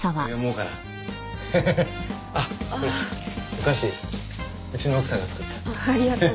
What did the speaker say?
うちの奥さんが作った。